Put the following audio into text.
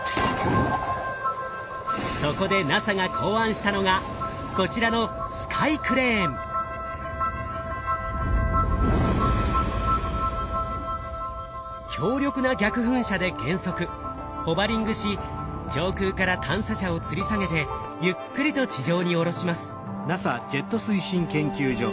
そこでＮＡＳＡが考案したのがこちらの強力な逆噴射で減速ホバリングし上空から探査車をつり下げてゆっくりと地上に降ろします。